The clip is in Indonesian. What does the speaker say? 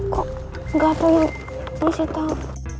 kok gak ada yang ngisi tau